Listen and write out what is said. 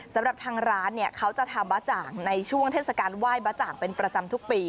สำหรับทางร้านเนี่ยเขาจะทำบ๊ะจ่างในช่วงเทศกาลไหว้บ๊ะจ่างเป็นประจำทุกปี